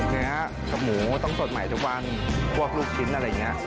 เนื้อกับหมูต้องสดใหม่ทุกวันพวกลูกชิ้นอะไรอย่างนี้